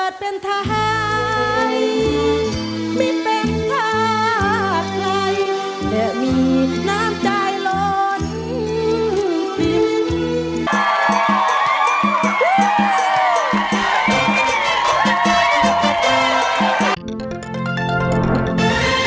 สวัสดีครับ